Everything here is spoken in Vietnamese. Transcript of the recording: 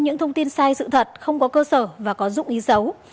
những thông tin sai sự thật không có cơ sở và có dụng ý xấu